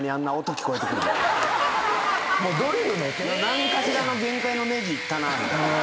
何かしらの限界のねじいったな。